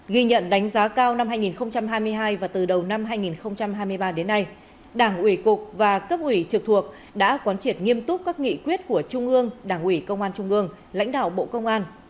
ghi nhận đánh giá cao năm hai nghìn hai mươi hai và từ đầu năm hai nghìn hai mươi ba đến nay đảng ủy cục và cấp ủy trực thuộc đã quán triệt nghiêm túc các nghị quyết của trung ương đảng ủy công an trung ương lãnh đạo bộ công an